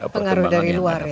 pengaruh dari luar ya